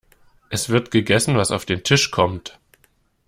Es wird gegessen, was auf den Tisch kommt.